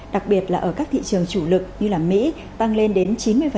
đặc biệt là ở các thị trường chủ lực như mỹ tăng lên đến chín mươi